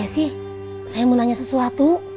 cesi saya mau nanya sesuatu